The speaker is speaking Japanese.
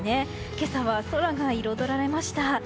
今朝は空が彩られました。